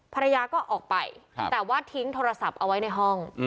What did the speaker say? ภรรยาก็ออกไปแต่ว่าทิ้งโทรศัพท์เอาไว้ในห้อง